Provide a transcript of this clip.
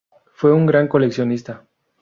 Fue un gran coleccionista.